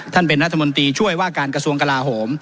ท่านเป็นรัฐมนตรีช่วยว่าการกระทรวงกลาโหม